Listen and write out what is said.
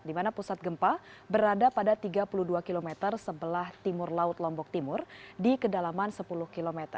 di mana pusat gempa berada pada tiga puluh dua km sebelah timur laut lombok timur di kedalaman sepuluh km